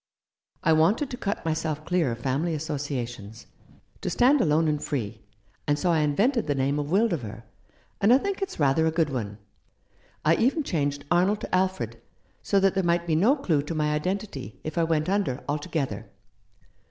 I wanted to cut myself clear of family associations — to stand alone and free— and so I invented the name of Wildover ; and I think it's rather a good one. I even changed Arnold to Alfred, so that there might be no clue to my identity if I went under altogether."